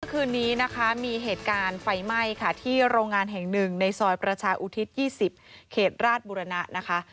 คืนนี้นะคะมีเหตุการณ์ไฟไหม้ค่ะที่โรงงานแห่งหนึ่งในซอยประชาอุทิศ๒๐เขตราชบุรณะนะคะ